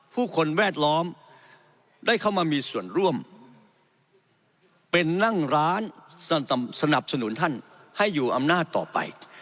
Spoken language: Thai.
ผู้คนแวดล้อมได้เข้ามามีส่วนร่วมเป็นนั่งร้านสนับสนุนท่านให้อยู่อำนาจต่อไป